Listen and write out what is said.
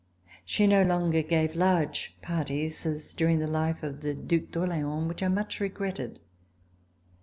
She no longer gave large parties, as during the life of the Due d'Orleans, which I much regretted.